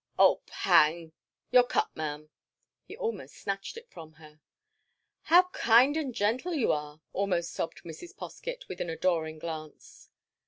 "Oh hang!—Your cup, Ma'am." He almost snatched it from her. "How kind and gentle you are," almost sobbed Mrs. Poskett, with an adoring glance.